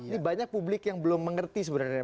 ini banyak publik yang belum mengerti sebenarnya